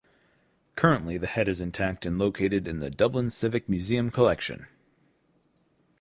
Currently the head is intact and located in the Dublin Civic Museum collection.